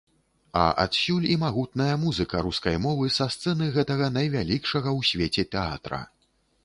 А адсюль і магутная музыка рускай мовы са сцэны гэтага найвялікшага ў свеце тэатра.